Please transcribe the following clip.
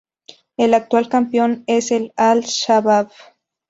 El actual campeón es el Al-Shabbab.